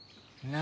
何？